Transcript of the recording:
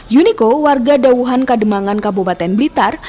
yuniko warga dauhan kademangan kabupaten blitar